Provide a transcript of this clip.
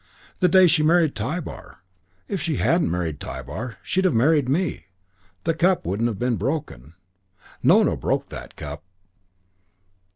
The day she married Tybar. If she hadn't married Tybar she'd have married me. The cup wouldn't have been broken. Nona broke that cup."